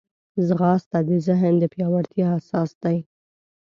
ځغاسته د ذهن د پیاوړتیا اساس ده